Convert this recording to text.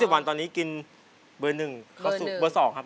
วันตอนนี้กินเบอร์๑เบอร์๒ครับ